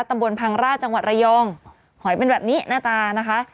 ตำบลพังราชจังหวัดระยองหอยเป็นแบบนี้หน้าตานะคะ